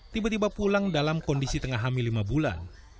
tiba tiba pulang dalam kondisi tengah hamil lima bulan